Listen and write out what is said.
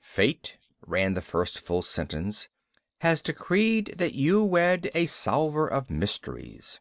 "'Fate,'" ran the first full sentence, "'has decreed that you wed a solver of mysteries.'"